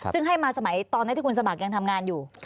ซึ่งให้มาสมัยตอนนั้นที่คุณสมัครยังทำงานอยู่